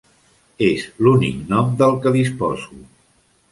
És l'únic nom del que disposo.